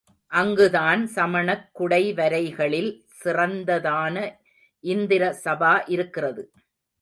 அங்குதான் சமணக் குடைவரைகளில் சிறந்ததான இந்திர சபா இருக்கிறது.